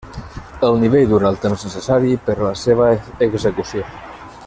El nivell dura el temps necessari per a la seva execució.